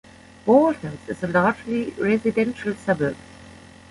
Bald Hills is a largely residential suburb.